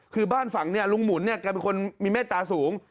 คือบ้านฝั่งเนี่ยลุงหมุนเนี่ยแกเป็นคนมีเมตตาสูง